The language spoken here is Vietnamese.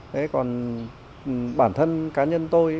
thế còn bản thân cá nhân tôi